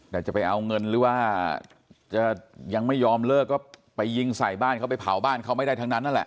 แต่จะไปเอาเงินหรือว่าจะยังไม่ยอมเลิกก็ไปยิงใส่บ้านเขาไปเผาบ้านเขาไม่ได้ทั้งนั้นนั่นแหละ